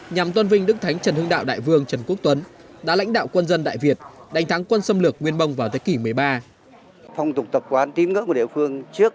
nhằm tôn vinh đức thánh trần hưng đạo đại vương trần quốc tuấn đã lãnh đạo quân dân đại việt đánh thắng quân xâm lược nguyên mông vào thế kỷ một mươi ba